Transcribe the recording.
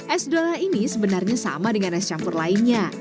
es dolla ini sebenarnya sama dengan es campur lainnya